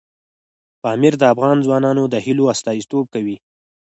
پامیر د افغان ځوانانو د هیلو استازیتوب کوي.